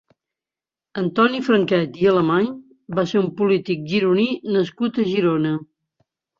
Antoni Franquet i Alemany va ser un polític gironí nascut a Girona.